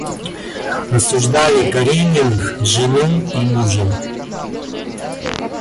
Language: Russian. Осуждали Карениных, жену и мужа.